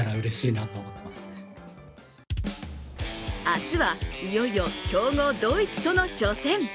明日はいよいよ強豪ドイツとの初戦。